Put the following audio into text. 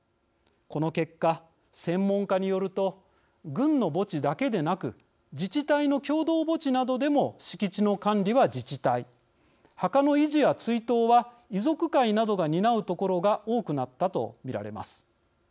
この結果、専門家によると軍の墓地だけでなく自治体の共同墓地などでも敷地の管理は自治体墓の維持や追悼は遺族会などが担う所が多くなったと見られます。